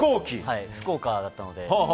福岡だったので。